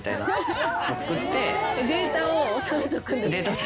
データを収めとくんですか？